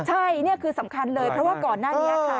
ใช่นี่คือสำคัญเลยเพราะว่าก่อนหน้านี้ค่ะ